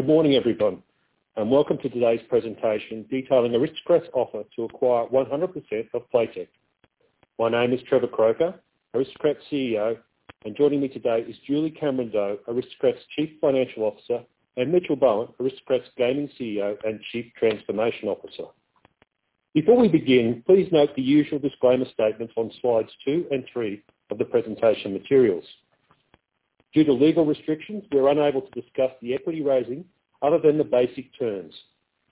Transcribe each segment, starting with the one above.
Good morning, everyone, and welcome to today's presentation detailing Aristocrat's offer to acquire 100% of Playtech. My name is Trevor Croker, Aristocrat's CEO, and joining me today is Julie Cameron-Doe, Aristocrat's Chief Financial Officer, and Mitchell Bowen, Aristocrat's Gaming CEO and Chief Transformation Officer. Before we begin, please note the usual disclaimer statements on slides two and three of the presentation materials. Due to legal restrictions, we are unable to discuss the equity raising other than the basic terms.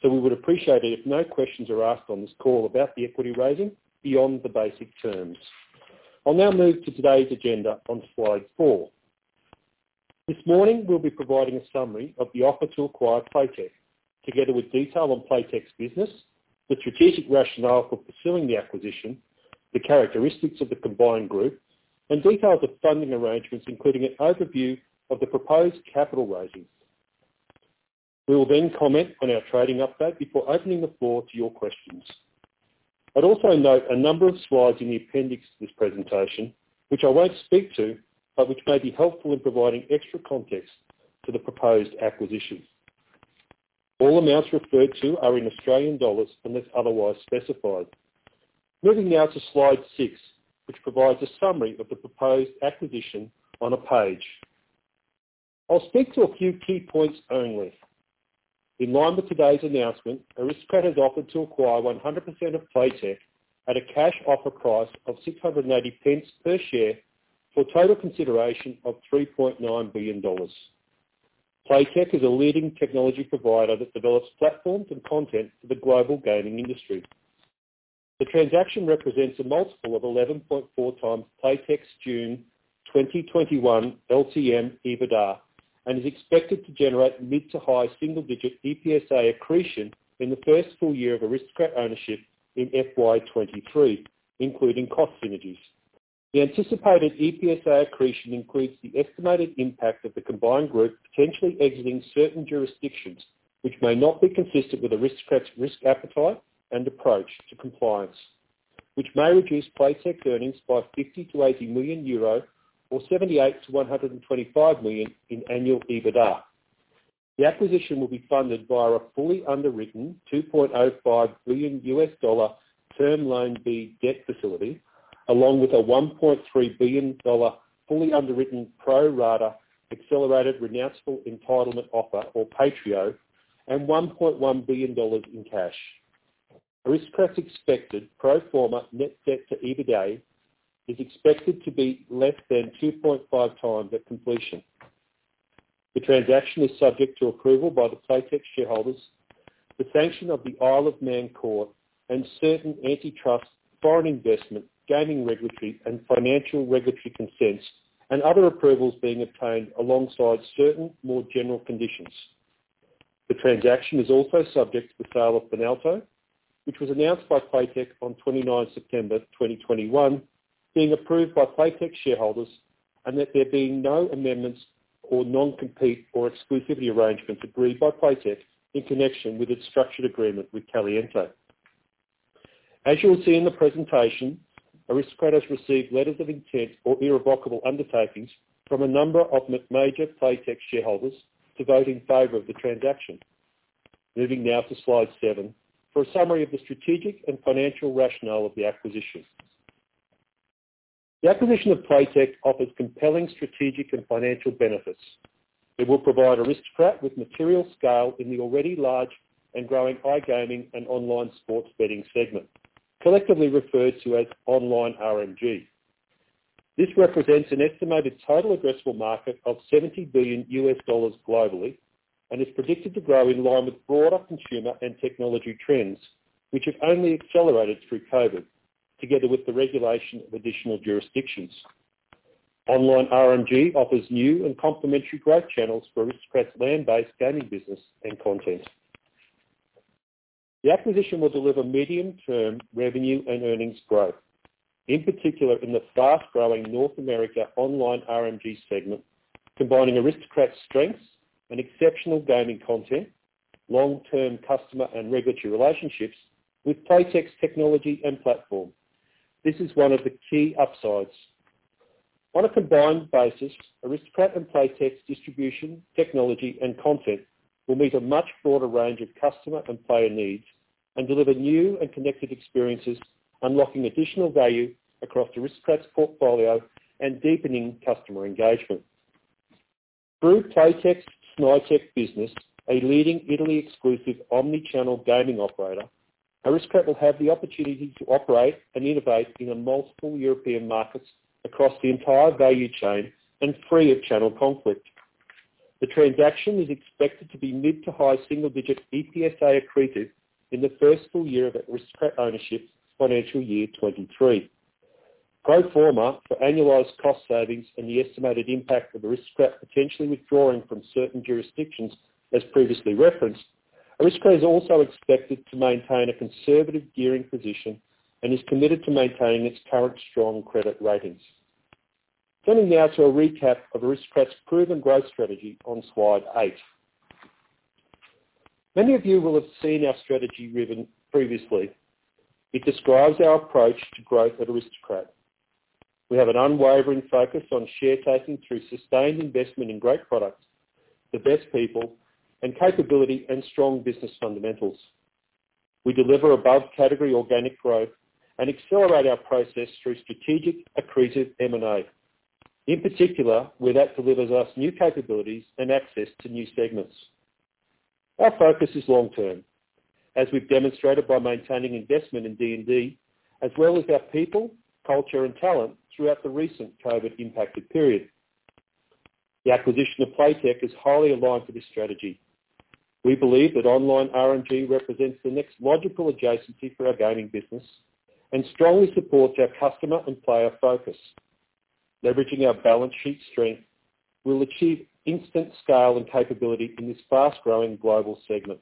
We would appreciate it if no questions are asked on this call about the equity raising beyond the basic terms. I'll now move to today's agenda on slide four. This morning, we'll be providing a summary of the offer to acquire Playtech, together with detail on Playtech's business, the strategic rationale for pursuing the acquisition, the characteristics of the combined group, and details of funding arrangements, including an overview of the proposed capital raising. We will then comment on our trading update before opening the floor to your questions. I'd also note a number of slides in the appendix to this presentation, which I won't speak to, but which may be helpful in providing extra context to the proposed acquisition. All amounts referred to are in Australian dollars unless otherwise specified. Moving now to slide six, which provides a summary of the proposed acquisition on a page. I'll speak to a few key points only. In line with today's announcement, Aristocrat has offered to acquire 100% of Playtech at a cash offer price of 6.90/share for a total consideration of 3.9 billion dollars. Playtech is a leading technology provider that develops platforms and content for the global gaming industry. The transaction represents a multiple of 11.4x Playtech's June 2021 LTM EBITDA, and is expected to generate mid-to-high single-digit EPSA accretion in the first full year of Aristocrat ownership in FY 2023, including cost synergies. The anticipated EPSA accretion includes the estimated impact of the combined group potentially exiting certain jurisdictions, which may not be consistent with Aristocrat's risk appetite and approach to compliance, which may reduce Playtech's earnings by 50 million-80 million euro or 78 million-125 million in annual EBITDA. The acquisition will be funded via a fully underwritten $2.05 billion Term Loan B debt facility, along with a 1.3 billion dollar fully underwritten pro-rata accelerated renounceable entitlement offer or PAITREO, and 1.1 billion dollars in cash. Aristocrat's expected pro forma net debt to EBITDA is expected to be less than 2.5x at completion. The transaction is subject to approval by the Playtech shareholders, the sanction of the Isle of Man court, and certain antitrust foreign investment, gaming regulatory and financial regulatory consents, and other approvals being obtained alongside certain more general conditions. The transaction is also subject to the sale of Finalto, which was announced by Playtech on 29 September 2021, being approved by Playtech shareholders, and that there being no amendments or non-compete or exclusivity arrangements agreed by Playtech in connection with its structured agreement with Caliente. As you will see in the presentation, Aristocrat has received letters of intent or irrevocable undertakings from a number of major Playtech shareholders to vote in favor of the transaction. Moving now to slide seven, for a summary of the strategic and financial rationale of the acquisition. The acquisition of Playtech offers compelling strategic and financial benefits. It will provide Aristocrat with material scale in the already large and growing iGaming and online sports betting segment, collectively referred to as online RMG. This represents an estimated total addressable market of $70 billion globally and is predicted to grow in line with broader consumer and technology trends, which have only accelerated through COVID, together with the regulation of additional jurisdictions. Online RMG offers new and complementary growth channels for Aristocrat's land-based gaming business and content. The acquisition will deliver medium-term revenue and earnings growth. In particular, in the fast-growing North America online RMG segment, combining Aristocrat's strengths and exceptional gaming content, long-term customer and regulatory relationships with Playtech's technology and platform. This is one of the key upsides. On a combined basis, Aristocrat and Playtech's distribution, technology, and content will meet a much broader range of customer and player needs and deliver new and connected experiences, unlocking additional value across Aristocrat's portfolio and deepening customer engagement. Through Playtech's Snaitech business, a leading Italy-exclusive omni-channel gaming operator, Aristocrat will have the opportunity to operate and innovate in multiple European markets across the entire value chain and free of channel conflict. The transaction is expected to be mid-to-high single-digit EPSA accretive in the first full year of Aristocrat ownership financial year 2023. Pro forma for annualized cost savings and the estimated impact of Aristocrat potentially withdrawing from certain jurisdictions as previously referenced, Aristocrat is also expected to maintain a conservative gearing position and is committed to maintaining its current strong credit ratings. Turning now to a recap of Aristocrat's proven growth strategy on slide eight. Many of you will have seen our strategy ribbon previously. It describes our approach to growth at Aristocrat. We have an unwavering focus on share taking through sustained investment in great products, the best people, and capability and strong business fundamentals. We deliver above-category organic growth and accelerate our process through strategic accretive M&A. In particular, where that delivers us new capabilities and access to new segments. Our focus is long-term, as we've demonstrated by maintaining investment in R&D, as well as our people, culture, and talent throughout the recent COVID-impacted period. The acquisition of Playtech is highly aligned to this strategy. We believe that online RMG represents the next logical adjacency for our gaming business and strongly supports our customer and player focus. Leveraging our balance sheet strength will achieve instant scale and capability in this fast-growing global segment,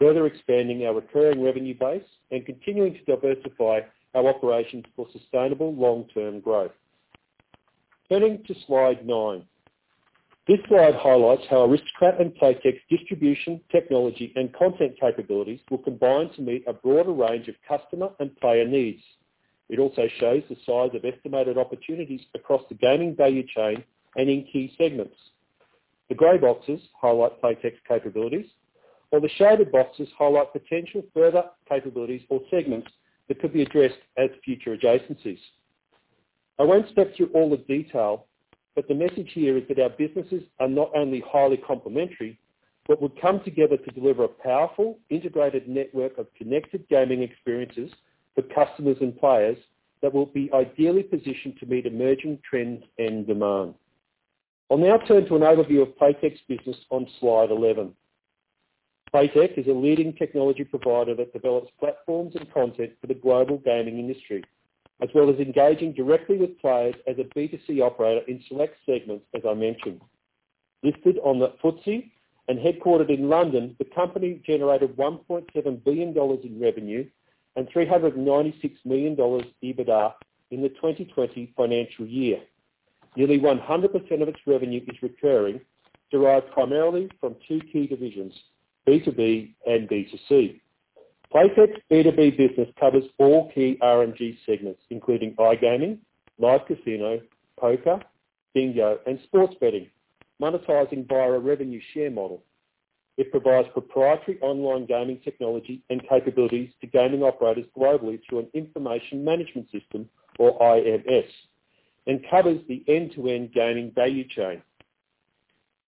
further expanding our recurring revenue base and continuing to diversify our operations for sustainable long-term growth. Turning to slide nine. This slide highlights how Aristocrat and Playtech's distribution, technology, and content capabilities will combine to meet a broader range of customer and player needs. It also shows the size of estimated opportunities across the gaming value chain and in key segments. The gray boxes highlight Playtech's capabilities, while the shaded boxes highlight potential further capabilities or segments that could be addressed as future adjacencies. I won't step through all the detail, but the message here is that our businesses are not only highly complementary, but will come together to deliver a powerful, integrated network of connected gaming experiences for customers and players that will be ideally positioned to meet emerging trends and demand. I'll now turn to an overview of Playtech's business on slide 11. Playtech is a leading technology provider that develops platforms and content for the global gaming industry, as well as engaging directly with players as a B2C operator in select segments, as I mentioned. Listed on the FTSE and headquartered in London, the company generated 1.7 billion dollars in revenue and 396 million dollars EBITDA in the 2020 financial year. Nearly 100% of its revenue is recurring, derived primarily from two key divisions, B2B and B2C. Playtech's B2B business covers all key RMG segments, including iGaming, live casino, poker, bingo, and sports betting, monetizing via a revenue share model. It provides proprietary online gaming technology and capabilities to gaming operators globally through an information management system, or IMS, and covers the end-to-end gaming value chain.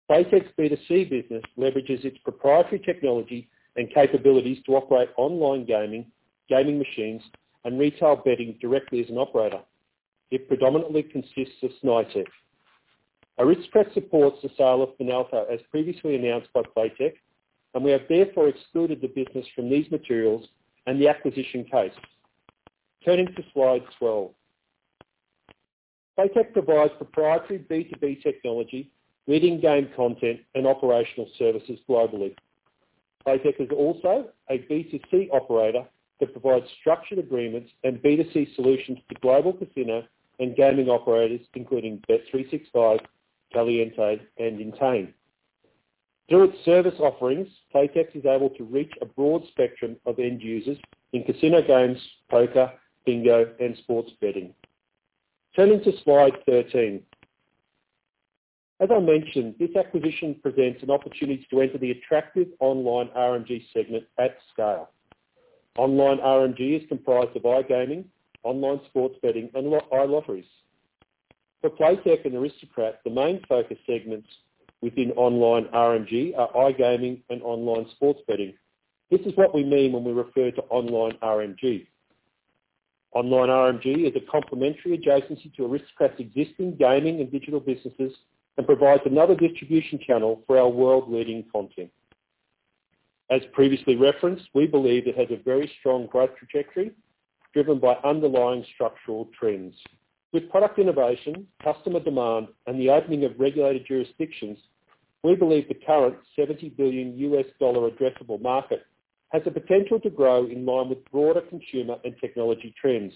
Playtech's B2C business leverages its proprietary technology and capabilities to operate online gaming machines, and retail betting directly as an operator. It predominantly consists of Snaitech. Aristocrat supports the sale of Finalto, as previously announced by Playtech, and we have therefore excluded the business from these materials and the acquisition case. Turning to slide 12. Playtech provides proprietary B2B technology, leading game content, and operational services globally. Playtech is also a B2C operator that provides structured agreements and B2C solutions to global casino and gaming operators, including Bet365, Caliente, and Entain. Through its service offerings, Playtech is able to reach a broad spectrum of end users in casino games, poker, bingo, and sports betting. Turning to slide 13. As I mentioned, this acquisition presents an opportunity to enter the attractive online RMG segment at scale. Online RMG is comprised of iGaming, online sports betting, and iLotteries. For Playtech and Aristocrat, the main focus segments within online RMG are iGaming and online sports betting. This is what we mean when we refer to online RMG. Online RMG is a complementary adjacency to Aristocrat's existing gaming and digital businesses and provides another distribution channel for our world-leading content. As previously referenced, we believe it has a very strong growth trajectory, driven by underlying structural trends. With product innovation, customer demand, and the opening of regulated jurisdictions, we believe the current $70 billion addressable market has the potential to grow in line with broader consumer and technology trends,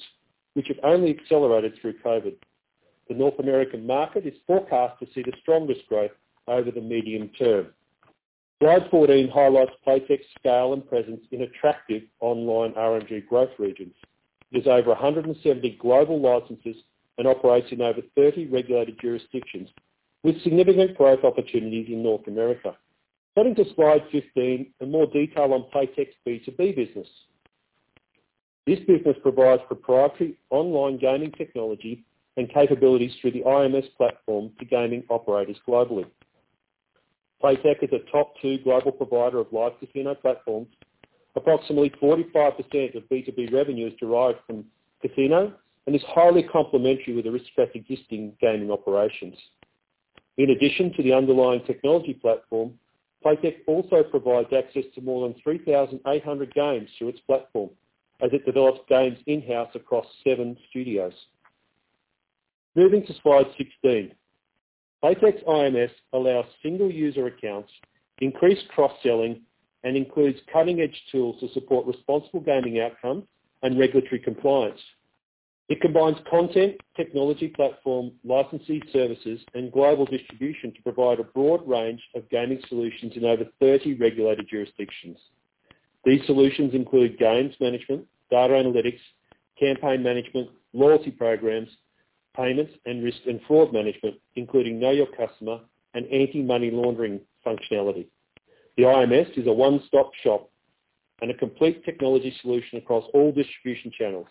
which have only accelerated through COVID. The North American market is forecast to see the strongest growth over the medium term. Slide 14 highlights Playtech's scale and presence in attractive online RMG growth regions. There's over 170 global licenses and operates in over 30 regulated jurisdictions with significant growth opportunities in North America. Turning to slide 15 in more detail on Playtech's B2B business. This business provides proprietary online gaming technology and capabilities through the IMS platform to gaming operators globally. Playtech is a top 2 global provider of live casino platforms. Approximately 45% of B2B revenue is derived from casino and is highly complementary with Aristocrat's existing gaming operations. In addition to the underlying technology platform, Playtech also provides access to more than 3,800 games through its platform, as it develops games in-house across seven studios. Moving to slide 16. Playtech's IMS allows single-user accounts, increased cross-selling, and includes cutting-edge tools to support responsible gaming outcomes and regulatory compliance. It combines content, technology platform, licensing services, and global distribution to provide a broad range of gaming solutions in over 30 regulated jurisdictions. These solutions include games management, data analytics, campaign management, loyalty programs, payments, and risk and fraud management, including Know Your Customer and Anti-Money Laundering functionality. The IMS is a one-stop shop and a complete technology solution across all distribution channels.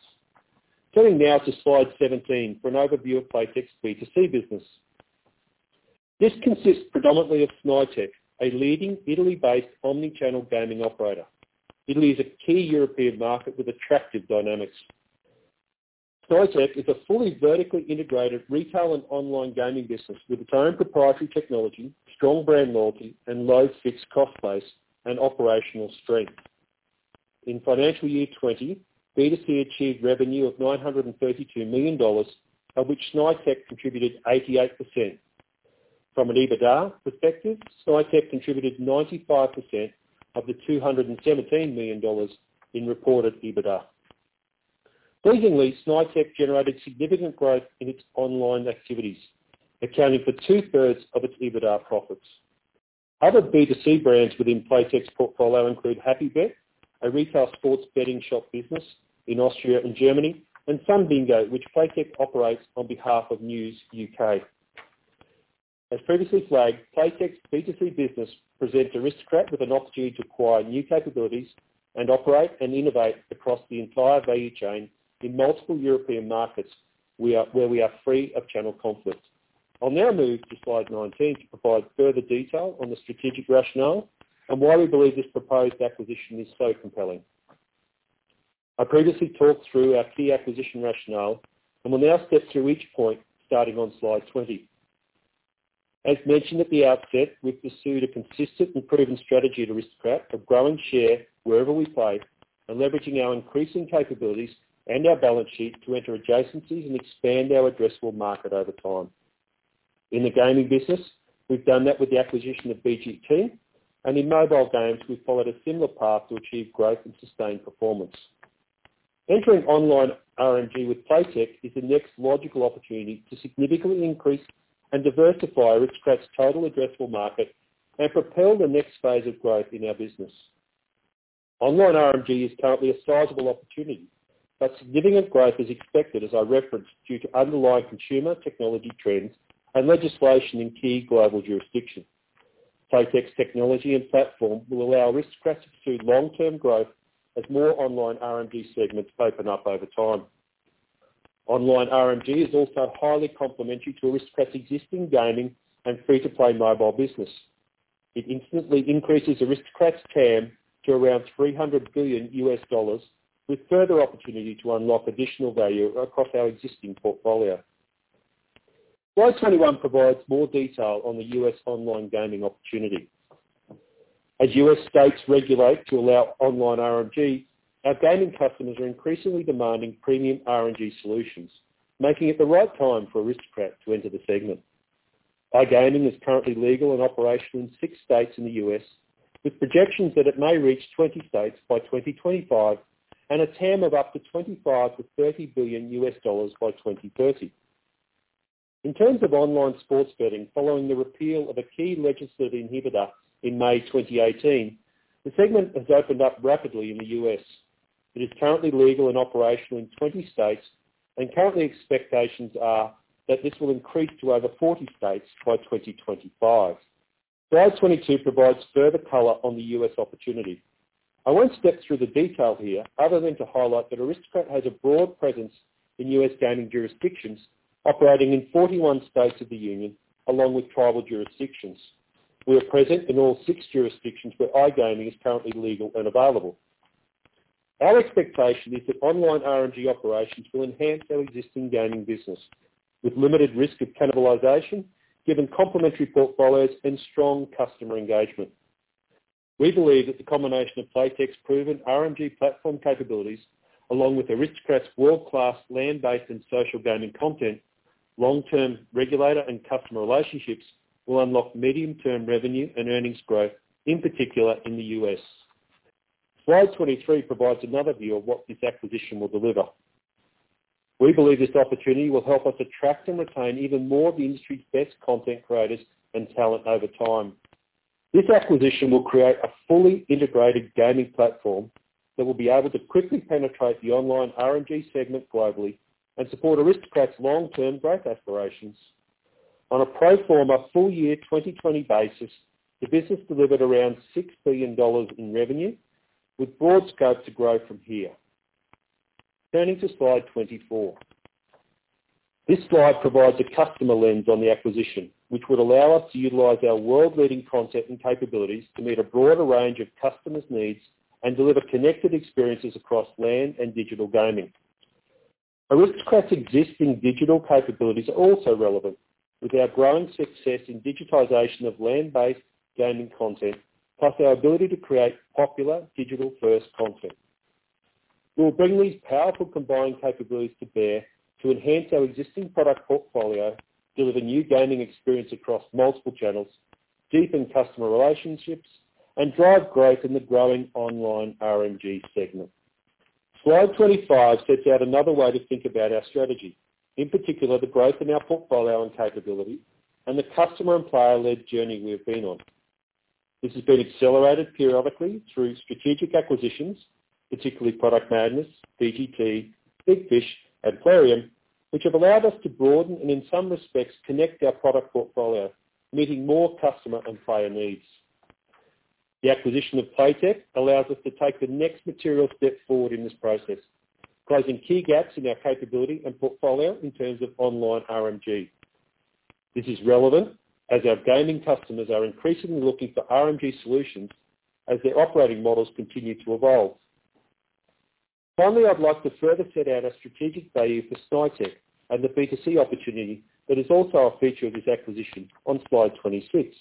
Turning now to slide 17 for an overview of Playtech's B2C business. This consists predominantly of Snaitech, a leading Italy-based omni-channel gaming operator. Italy is a key European market with attractive dynamics. Snaitech is a fully vertically integrated retail and online gaming business with its own proprietary technology, strong brand loyalty, and low fixed cost base and operational strength. In financial year 2020, B2C achieved revenue of 932 million dollars, of which Snaitech contributed 88%. From an EBITDA perspective, Snaitech contributed 95% of the 217 million dollars in reported EBITDA. Pleasingly, Snaitech generated significant growth in its online activities, accounting for 2/3 of its EBITDA profits. Other B2C brands within Playtech's portfolio include Happybet, a retail sports betting shop business in Austria and Germany, and Sun Bingo, which Playtech operates on behalf of News UK. As previously flagged, Playtech's B2C business presents Aristocrat with an opportunity to acquire new capabilities and operate and innovate across the entire value chain in multiple European markets where we are free of channel conflicts. I'll now move to slide 19 to provide further detail on the strategic rationale and why we believe this proposed acquisition is so compelling. I previously talked through our key acquisition rationale, and will now step through each point, starting on slide 20. As mentioned at the outset, we've pursued a consistent and proven strategy at Aristocrat of growing share wherever we play and leveraging our increasing capabilities and our balance sheet to enter adjacencies and expand our addressable market over time. In the gaming business, we've done that with the acquisition of VGT, and in mobile games, we've followed a similar path to achieve growth and sustained performance. Entering online RMG with Playtech is the next logical opportunity to significantly increase and diversify Aristocrat's total addressable market and propel the next phase of growth in our business. Online RMG is currently a sizable opportunity, but significant growth is expected, as I referenced, due to underlying consumer technology trends and legislation in key global jurisdictions. Playtech's technology and platform will allow Aristocrat to pursue long-term growth as more online RMG segments open up over time. Online RMG is also highly complementary to Aristocrat's existing gaming and free-to-play mobile business. It instantly increases Aristocrat's TAM to around $300 billion with further opportunity to unlock additional value across our existing portfolio. Slide 21 provides more detail on the U.S. online gaming opportunity. As U.S. states regulate to allow online RMG, our gaming customers are increasingly demanding premium RMG solutions, making it the right time for Aristocrat to enter the segment. iGaming is currently legal and operational in six states in the U.S., with projections that it may reach 20 states by 2025 and a TAM of up to $25 billion-$30 billion by 2030. In terms of online sports betting, following the repeal of a key legislative inhibitor in May 2018, the segment has opened up rapidly in the U.S. It is currently legal and operational in 20 states, and currently expectations are that this will increase to over 40 states by 2025. Slide 22 provides further color on the U.S. opportunity. I won't step through the detail here other than to highlight that Aristocrat has a broad presence in U.S. gaming jurisdictions, operating in 41 states of the union along with tribal jurisdictions. We are present in all 6 jurisdictions where iGaming is currently legal and available. Our expectation is that online RMG operations will enhance our existing gaming business with limited risk of cannibalization, given complementary portfolios and strong customer engagement. We believe that the combination of Playtech's proven RMG platform capabilities, along with Aristocrat's world-class land-based and social gaming content, long-term regulator and customer relationships, will unlock medium-term revenue and earnings growth, in particular in the U.S. Slide 23 provides another view of what this acquisition will deliver. We believe this opportunity will help us attract and retain even more of the industry's best content creators and talent over time. This acquisition will create a fully integrated gaming platform that will be able to quickly penetrate the online RMG segment globally and support Aristocrat's long-term growth aspirations. On a pro forma full-year 2020 basis, the business delivered around 6 billion dollars in revenue, with broad scope to grow from here. Turning to slide 24. This slide provides a customer lens on the acquisition, which would allow us to utilize our world-leading content and capabilities to meet a broader range of customers' needs and deliver connected experiences across land and digital gaming. Aristocrat's existing digital capabilities are also relevant with our growing success in digitization of land-based gaming content, plus our ability to create popular digital-first content. We'll bring these powerful combined capabilities to bear to enhance our existing product portfolio, deliver new gaming experience across multiple channels, deepen customer relationships and drive growth in the growing online RMG segment. Slide 25 sets out another way to think about our strategy, in particular, the growth in our portfolio and capability and the customer and player-led journey we have been on. This has been accelerated periodically through strategic acquisitions, particularly Product Madness, VGT, Big Fish, Plarium, which have allowed us to broaden and, in some respects, connect our product portfolio, meeting more customer and player needs. The acquisition of Playtech allows us to take the next material step forward in this process, closing key gaps in our capability and portfolio in terms of online RMG. This is relevant as our gaming customers are increasingly looking for RMG solutions as their operating models continue to evolve. Finally, I'd like to further set out our strategic value for Snaitech and the B2C opportunity that is also a feature of this acquisition on slide 26.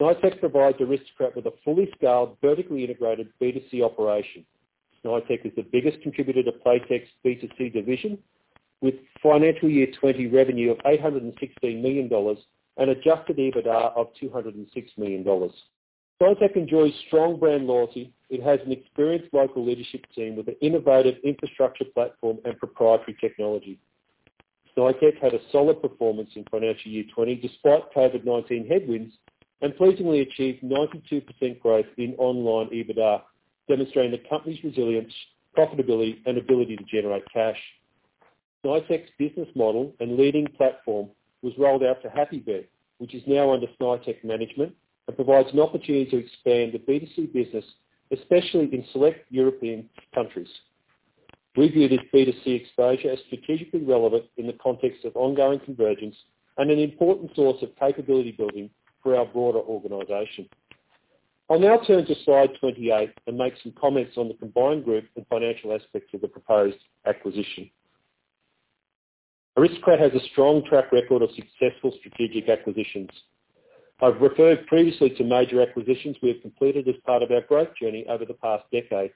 Snaitech provides Aristocrat with a fully scaled, vertically integrated B2C operation. Snaitech is the biggest contributor to Playtech's B2C division, with financial year 2020 revenue of 816 million dollars and adjusted EBITDA of 206 million dollars. Snaitech enjoys strong brand loyalty. It has an experienced local leadership team with an innovative infrastructure platform and proprietary technology. Snaitech had a solid performance in financial year 2020 despite COVID-19 headwinds, and pleasingly achieved 92% growth in online EBITDA, demonstrating the company's resilience, profitability, and ability to generate cash. Snaitech's business model and leading platform was rolled out to Happybet, which is now under Snaitech management and provides an opportunity to expand the B2C business, especially in select European countries. We view this B2C exposure as strategically relevant in the context of ongoing convergence and an important source of capability building for our broader organization. I'll now turn to slide 28 and make some comments on the combined group and financial aspects of the proposed acquisition. Aristocrat has a strong track record of successful strategic acquisitions. I've referred previously to major acquisitions we have completed as part of our growth journey over the past decade,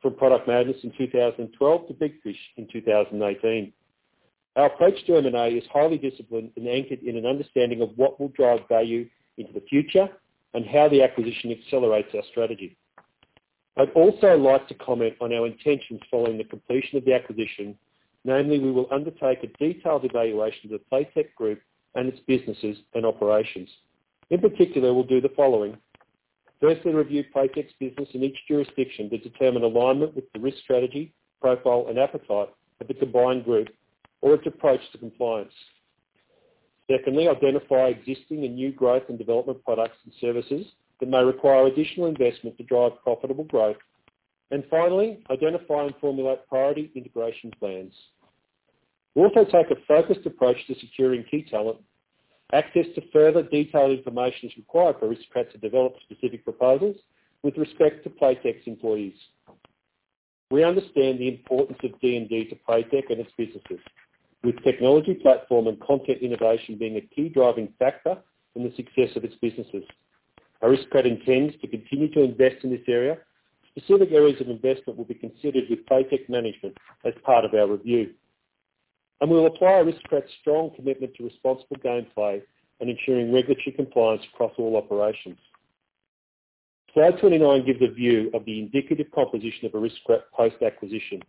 from Product Madness in 2012 to Big Fish in 2018. Our approach to M&A is highly disciplined and anchored in an understanding of what will drive value into the future and how the acquisition accelerates our strategy. I'd also like to comment on our intentions following the completion of the acquisition. Namely, we will undertake a detailed evaluation of the Playtech group and its businesses and operations. In particular, we'll do the following. Firstly, review Playtech's business in each jurisdiction to determine alignment with the risk strategy, profile, and appetite of the combined group or its approach to compliance. Secondly, identify existing and new growth and development products and services that may require additional investment to drive profitable growth. Finally, identify and formulate priority integration plans. We also take a focused approach to securing key talent. Access to further detailed information is required for Aristocrat to develop specific proposals with respect to Playtech's employees. We understand the importance of R&D to Playtech and its businesses, with technology platform and content innovation being a key driving factor in the success of its businesses. Aristocrat intends to continue to invest in this area. Specific areas of investment will be considered with Playtech management as part of our review. We'll apply Aristocrat's strong commitment to responsible gameplay and ensuring regulatory compliance across all operations. Slide 29 gives a view of the indicative composition of Aristocrat post-acquisition.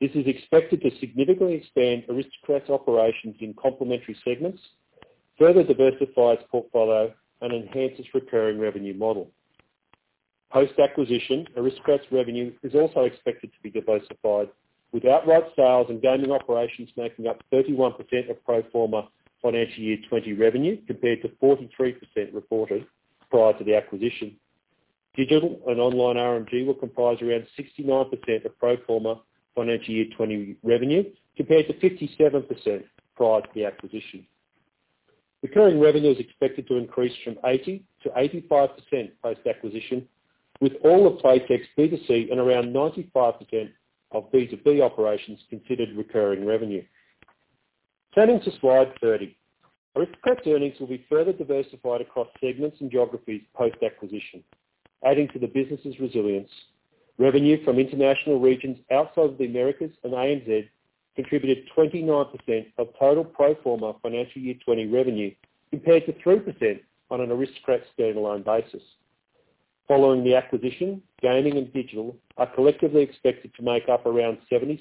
This is expected to significantly expand Aristocrat's operations in complementary segments, further diversify its portfolio, and enhance its recurring revenue model. Post-acquisition, Aristocrat's revenue is also expected to be diversified, with outright sales and gaming operations making up 31% of pro forma financial year 2020 revenue, compared to 43% reported prior to the acquisition. Digital and online RMG will comprise around 69% of pro forma financial year 2020 revenue, compared to 57% prior to the acquisition. Recurring revenue is expected to increase from 80%-85% post-acquisition, with all of Playtech's B2C and around 95% of B2B operations considered recurring revenue. Turning to slide 30. Aristocrat's earnings will be further diversified across segments and geographies post-acquisition, adding to the business's resilience. Revenue from international regions outside of the Americas and ANZ contributed 29% of total pro forma financial year 2020 revenue, compared to 3% on an Aristocrat standalone basis. Following the acquisition, gaming and digital are collectively expected to make up around 76%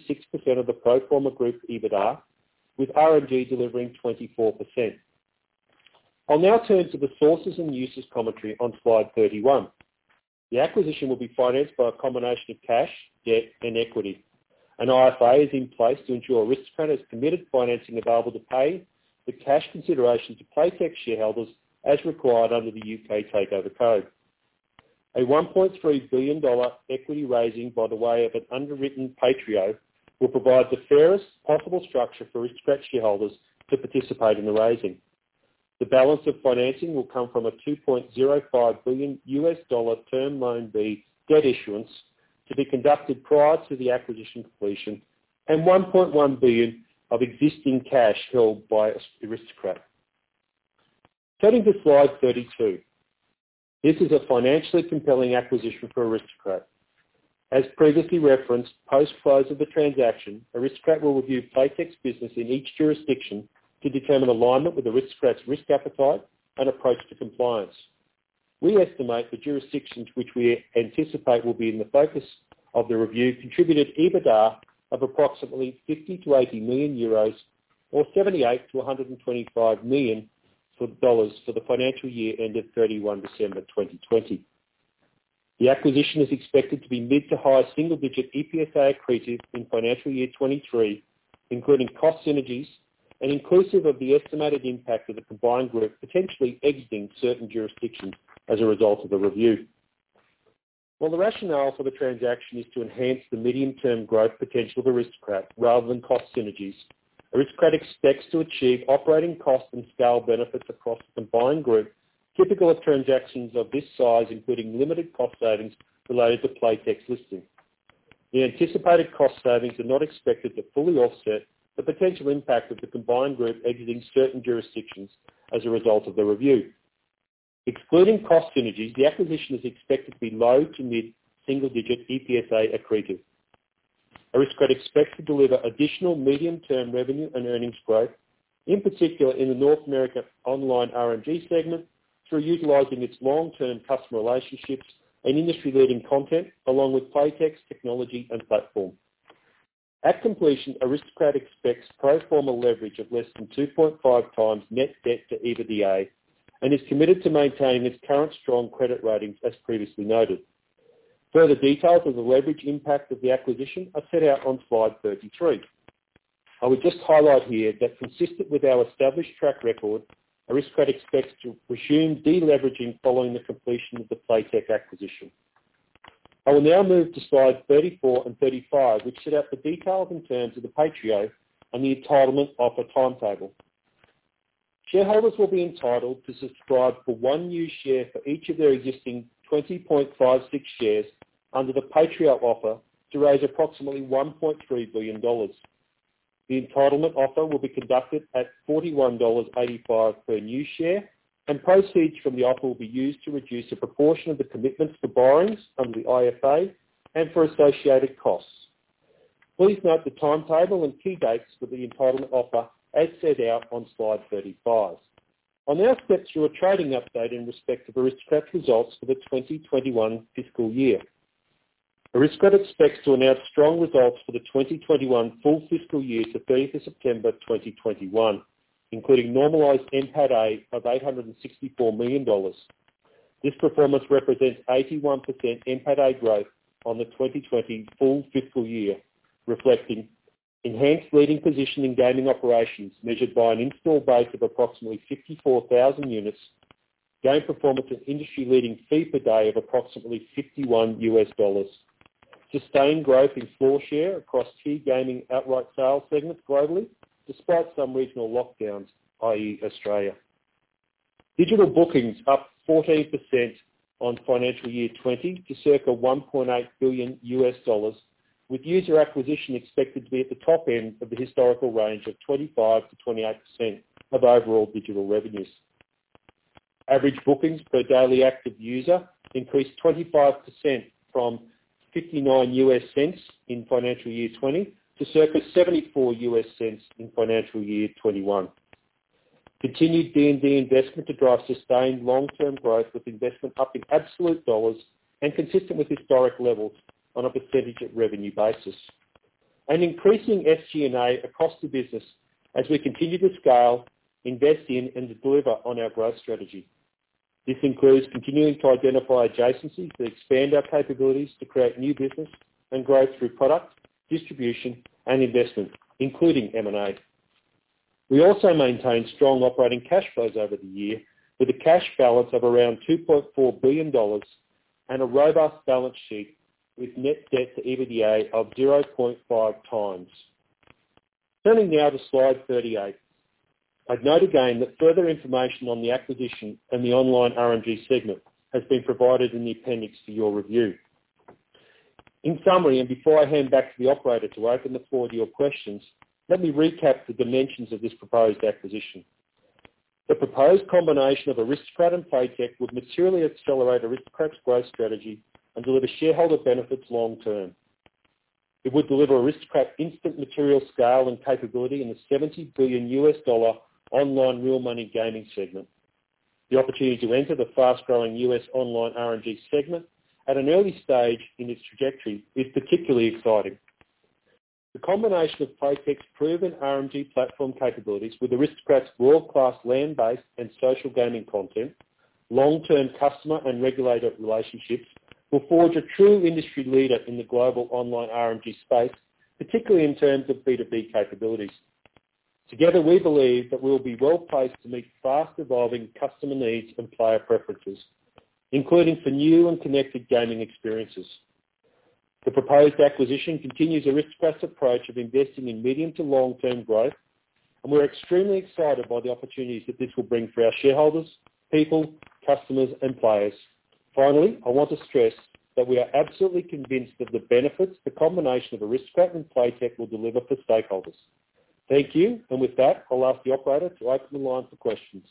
of the pro forma group's EBITDA, with RMG delivering 24%. I'll now turn to the sources and uses commentary on slide 31. The acquisition will be financed by a combination of cash, debt, and equity. An IFA is in place to ensure Aristocrat has committed financing available to pay the cash consideration to Playtech shareholders as required under The U.K. Takeover Code. A 1.3 billion dollar equity raising by the way of an underwritten PAITREO will provide the fairest possible structure for Aristocrat shareholders to participate in the raising. The balance of financing will come from a $2.05 billion Term Loan B debt issuance to be conducted prior to the acquisition completion and 1.1 billion of existing cash held by Aristocrat. Turning to slide 32. This is a financially compelling acquisition for Aristocrat. As previously referenced, post-close of the transaction, Aristocrat will review Playtech's business in each jurisdiction to determine alignment with Aristocrat's risk appetite and approach to compliance. We estimate the jurisdictions which we anticipate will be in the focus of the review contributed EBITDA of approximately 50 million-80 million euros or $78 million-$125 million for the financial year ending 31 December 2020. The acquisition is expected to be mid-to-high single-digit EPSA accretive in financial year 2023, including cost synergies and inclusive of the estimated impact of the combined group potentially exiting certain jurisdictions as a result of the review. While the rationale for the transaction is to enhance the medium-term growth potential of Aristocrat rather than cost synergies, Aristocrat expects to achieve operating cost and scale benefits across the combined group, typical of transactions of this size, including limited cost savings related to Playtech's listing. The anticipated cost savings are not expected to fully offset the potential impact of the combined group exiting certain jurisdictions as a result of the review. Excluding cost synergies, the acquisition is expected to be low to mid-single-digit EPSA accretive. Aristocrat expects to deliver additional medium-term revenue and earnings growth, in particular in the North America online RMG segment, through utilizing its long-term customer relationships and industry-leading content, along with Playtech's technology and platform. At completion, Aristocrat expects pro forma leverage of less than 2.5x net debt to EBITDA and is committed to maintaining its current strong credit ratings, as previously noted. Further details of the leverage impact of the acquisition are set out on slide 33. I would just highlight here that consistent with our established track record, Aristocrat expects to resume de-leveraging following the completion of the Playtech acquisition. I will now move to slides 34 and 35, which set out the details and terms of the PAITREO and the entitlement offer timetable. Shareholders will be entitled to subscribe for one new share for each of their existing 20.56 shares under the PAITREO offer to raise approximately 1.3 billion dollars. The entitlement offer will be conducted at 41.85 dollars/new share, and proceeds from the offer will be used to reduce a proportion of the commitments for borrowings under the IFA and for associated costs. Please note the timetable and key dates for the entitlement offer, as set out on slide 35. I now step through a trading update in respect of Aristocrat's results for the 2021 fiscal year. Aristocrat expects to announce strong results for the 2021 full fiscal year to 30 September 2021, including normalized NPATA of 864 million dollars. This performance represents 81% NPATA growth on the 2020 full fiscal year, reflecting enhanced leading position in gaming operations measured by an in-store base of approximately 54,000 units. Game performance and industry-leading fee per day of approximately $51. Sustained growth in floor share across key gaming outright sales segments globally, despite some regional lockdowns, i.e., Australia. Digital bookings up 14% on FY 2020 to circa $1.8 billion, with user acquisition expected to be at the top end of the historical range of 25%-28% of overall digital revenues. Average bookings per daily active user increased 25% from $0.59 in FY 2020 to circa $0.74 in FY 2021. Continued R&D investment to drive sustained long-term growth with investment up in absolute dollars and consistent with historic levels on a percentage of revenue basis. An increasing SG&A across the business as we continue to scale, invest in, and deliver on our growth strategy. This includes continuing to identify adjacencies that expand our capabilities to create new business and growth through products, distribution, and investment, including M&A. We also maintained strong operating cash flows over the year with a cash balance of around 2.4 billion dollars and a robust balance sheet with net debt to EBITDA of 0.5x. Turning now to slide 38. I'd note again that further information on the acquisition and the online RMG segment has been provided in the appendix for your review. In summary, before I hand back to the operator to open the floor to your questions, let me recap the dimensions of this proposed acquisition. The proposed combination of Aristocrat and Playtech would materially accelerate Aristocrat's growth strategy and deliver shareholder benefits long-term. It would deliver Aristocrat instant material scale and capability in the $70 billion online real money gaming segment. The opportunity to enter the fast-growing U.S. online RMG segment at an early stage in its trajectory is particularly exciting. The combination of Playtech's proven RMG platform capabilities with Aristocrat's world-class land-based and social gaming content, long-term customer and regulator relationships, will forge a true industry leader in the global online RMG space, particularly in terms of B2B capabilities. Together, we believe that we'll be well-placed to meet fast-evolving customer needs and player preferences, including for new and connected gaming experiences. The proposed acquisition continues Aristocrat's approach of investing in medium to long-term growth, and we're extremely excited by the opportunities that this will bring for our shareholders, people, customers, and players. Finally, I want to stress that we are absolutely convinced of the benefits the combination of Aristocrat and Playtech will deliver for stakeholders. Thank you. With that, I'll ask the operator to open the line for questions.